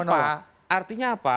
artinya apa artinya apa